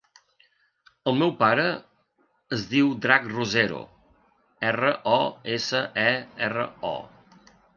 El meu pare es diu Drac Rosero: erra, o, essa, e, erra, o.